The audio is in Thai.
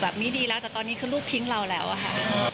แบบนี้ดีแล้วแต่ตอนนี้คือลูกทิ้งเราแล้วอะค่ะ